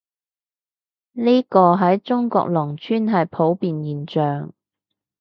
呢個，喺中國農村係普遍現象